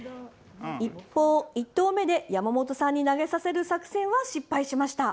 １投目で山本さんに投げさせる作戦は失敗しました。